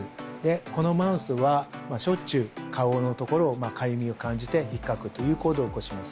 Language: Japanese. このマウスはしょっちゅう、顔の所を、かゆみを感じてひっかくという行動を起こします。